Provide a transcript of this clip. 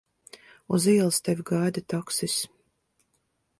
Uz ielas tevi gaida taksis.